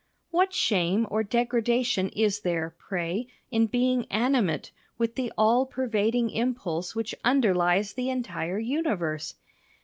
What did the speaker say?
What shame or degradation is there, pray, in being animate with the all pervading impulse which underlies the entire universe?